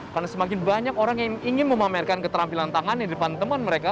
karena semakin banyak orang yang ingin memamerkan keterampilan tangan di depan teman mereka